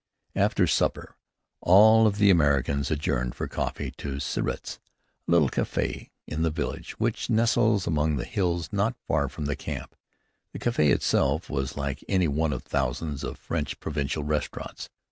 After supper, all of the Americans adjourned for coffee to Ciret's, a little café in the village which nestles among the hills not far from the camp. The café itself was like any one of thousands of French provincial restaurants.